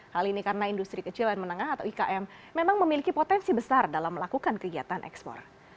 hal ini karena industri kecil dan menengah atau ikm memang memiliki potensi besar dalam melakukan kegiatan ekspor